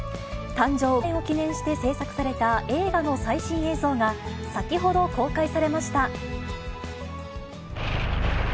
誕生５５周年を記念して製作された映画の最新映像が、先ほど公開されました。